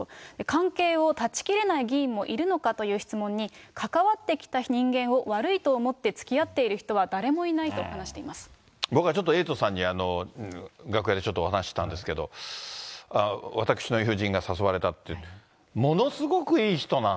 関係を断ち切れない議員もいるのかという質問に、関わってきた人間を悪いと思ってつきあっている人は誰もいないと僕はちょっと、エイトさんに楽屋でちょっとお話したんですけど、私の友人が誘われたって、そうですね。